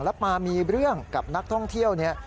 แล้วมามีเรื่องกับนักท่องเที่ยวนี้